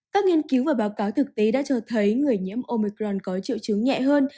các nghiên cứu và báo cáo thực tế đã cho thấy người nhiễm omicron có triệu chứng nhẹ hơn